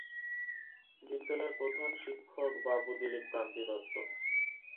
বিদ্যালয়ের প্রধান শিক্ষক বাবু দিলীপ কান্তি দত্ত।